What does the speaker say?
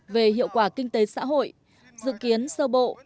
về hiệu quả kinh tế xã hội dự kiến sơ bộ